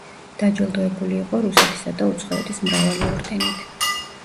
დაჯილდოებული იყო რუსეთისა და უცხოეთის მრავალი ორდენით.